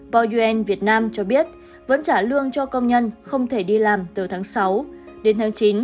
bouen việt nam cho biết vẫn trả lương cho công nhân không thể đi làm từ tháng sáu đến tháng chín